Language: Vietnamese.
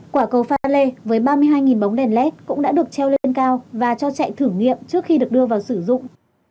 quả cầu pha lê với ba mươi hai bóng đèn led cũng đã được treo lên cao và cho chạy thử nghiệm trước khi được đưa vào sử dụng